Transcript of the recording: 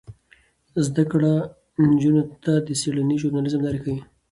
زده کړه نجونو ته د څیړنیز ژورنالیزم لارې ښيي.